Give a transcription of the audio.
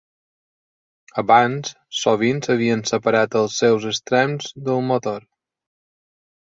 Abans, sovint s'havien separat als seus extrems del motor.